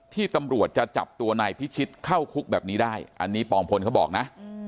ที่ตำรวจจะจับตัวนายพิชิตเข้าคุกแบบนี้ได้อันนี้ปองพลเขาบอกนะ